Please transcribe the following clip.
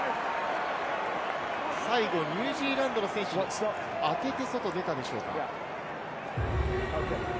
ニュージーランドの選手に当てて外に出たでしょうか？